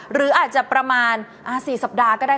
หรืออาจจะประมาณ๔สัปดาห์ก็ได้